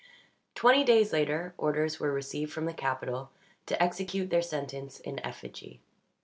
Twenty days later, orders were received from the capital to execute their sentence in effigy.